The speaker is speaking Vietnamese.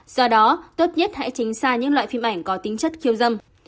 do đó tốt nhất hãy chính xa những loại phim ảnh có tính chất khiêu dâm